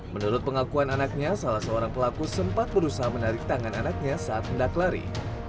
menurut pengakuan anaknya salah seorang pelaku sempat berusaha menarik tangan anaknya saat hendak lari